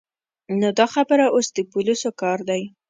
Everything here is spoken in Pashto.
نو دا خبره اوس د پولیسو کار دی.